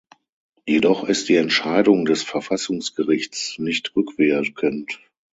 Jedoch ist die Entscheidung des Verfassungsgerichts nicht rückwirkend.